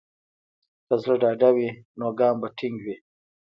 که زړه ډاډه وي، نو ګام به ټینګ وي.